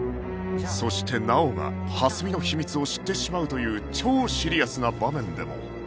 そして直央が蓮見の秘密を知ってしまうという超シリアスな場面でも